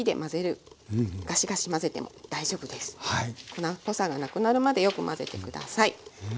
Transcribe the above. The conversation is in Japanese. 粉っぽさがなくなるまでよく混ぜて下さい。